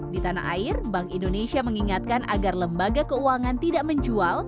di tanah air bank indonesia mengingatkan agar lembaga keuangan tidak menjual